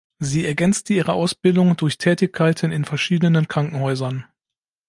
Sie ergänzte ihre Ausbildung durch Tätigkeiten in verschiedenen Krankenhäusern.